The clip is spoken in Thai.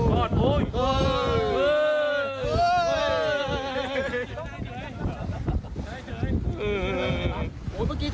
โอ้โหพวกนี้ขึ้นมา